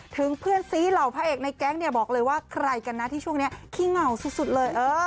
เพื่อนซีเหล่าพระเอกในแก๊งเนี่ยบอกเลยว่าใครกันนะที่ช่วงนี้ขี้เหงาสุดเลย